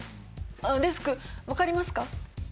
デスク分かりますか？